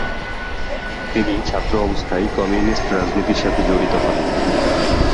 তিনি ছাত্র অবস্থায় কমিউনিস্ট রাজনীতির সাথে জড়িত হন।